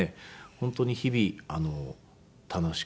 本当に日々楽しく。